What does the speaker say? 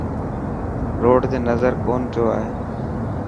روڊ تي نظر ڪون پيو آئي.